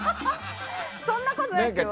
そんなことないですよ！